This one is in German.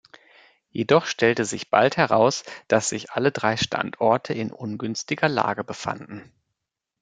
Jedoch stellte sich bald heraus, dass sich alle drei Standorte in ungünstiger Lage befanden.